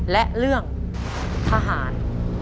และเรื่องทหาร